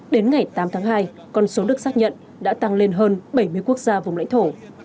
đến ngày tám tháng hai con số được xác nhận đã tăng lên hơn bảy mươi quốc gia vùng lãnh thổ